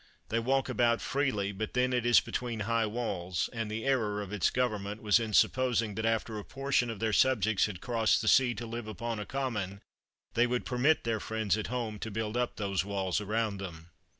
They walk about freely, but then it is between high walls; and the error of its government was in supposing that after a portion of their subjects had crossed the sea to live upon a common, they would permit their friends at home to build up those walls about them.'